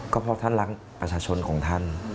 ก็เพราะท่านรักประชาชนของท่าน